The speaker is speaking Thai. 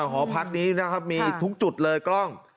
หอพักนี้นะครับมีทุกจุดเลยกล้อง